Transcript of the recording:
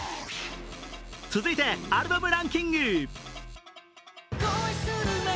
続いてアルバムランキング。